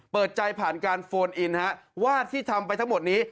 เปิดใจผ่านการโฟนอินว่าที่ทำไปทั้งหมดนี้